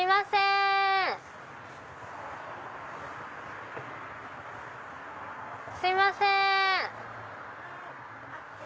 すいません！